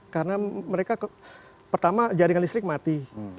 karena mereka pertama jaringan listrik mati